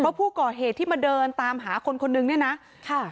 เพราะผู้ก่อเหตุที่มาเดินตามหาคนคนนึงเนี่ยนะค่ะ